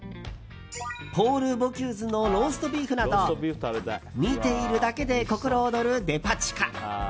ポール・ボギューズのローストビーフなど見ているだけで心躍るデパ地下。